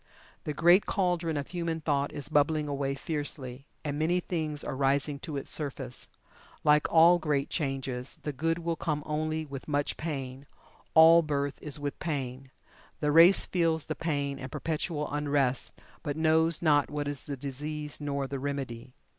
The great cauldron of human thought is bubbling away fiercely, and many things are rising to its surface. Like all great changes, the good will come only with much pain all birth is with pain. The race feels the pain and perpetual unrest, but knows not what is the disease nor the remedy.